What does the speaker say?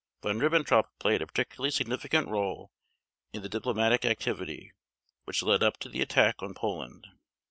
Von Ribbentrop played a particularly significant role in the diplomatic activity which led up to the attack on Poland.